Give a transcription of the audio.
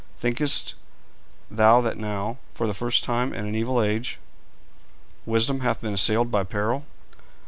Thinkest thou that now, for the first time in an evil age, Wisdom hath been assailed by peril?